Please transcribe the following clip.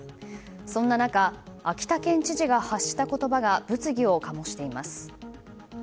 そんな中、秋田県知事が発した言葉が物議を醸しています。